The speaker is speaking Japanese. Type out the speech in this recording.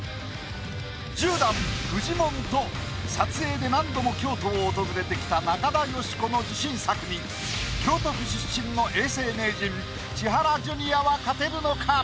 １０段フジモンと撮影で何度も京都を訪れてきた中田喜子の自信作に京都府出身の永世名人千原ジュニアは勝てるのか？